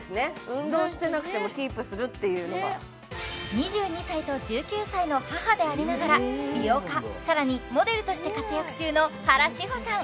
運動してなくてもキープするっていうのが２２歳と１９歳の母でありながら美容家さらにモデルとして活躍中の原志保さん